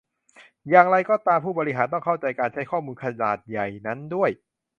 อย่างไรก็ตามผู้บริหาร ต้องเข้าใจการใช้ข้อมูลขนาดใหญ่นั้นด้วย